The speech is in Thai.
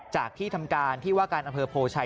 ที่ทำการที่ว่าการอำเภอโพชัย